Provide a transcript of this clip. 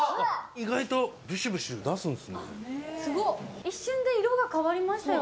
意外とブシュブシュ出すんですね。